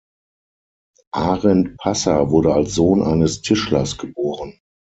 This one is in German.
Arent Passer wurde als Sohn eines Tischlers geboren.